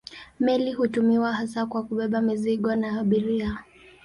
Meli hutumiwa hasa kwa kubeba mizigo na abiria.